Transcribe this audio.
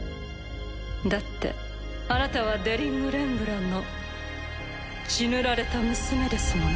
だってあなたはデリング・レンブランの血塗られた娘ですもの。